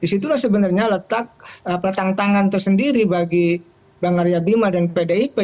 disitulah sebenarnya letak tantangan tersendiri bagi bang arya bima dan pdip